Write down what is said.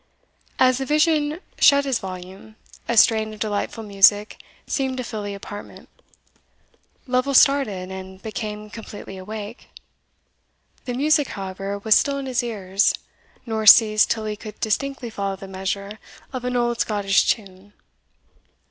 As the vision shut his volume, a strain of delightful music seemed to fill the apartment Lovel started, and became completely awake. The music, however, was still in his ears, nor ceased till he could distinctly follow the measure of an old Scottish tune.